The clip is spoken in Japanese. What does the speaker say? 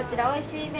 おいしい！